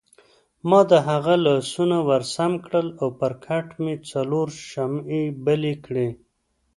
ما د هغه لاسونه ورسم کړل او پر کټ مې څلور شمعې بلې کړې.